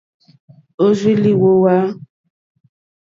Òrzì lìhwówá.